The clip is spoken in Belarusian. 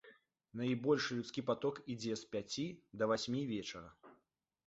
Найбольшы людскі паток ідзе з пяці да васьмі вечара.